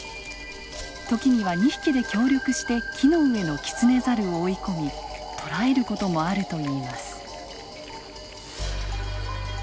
時には２匹で協力して木の上のキツネザルを追い込み捕らえる事もあるといいます。